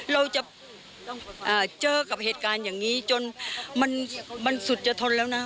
เราจะเจอกับเหตุการณ์อย่างนี้จนมันสุดจะทนแล้วนะ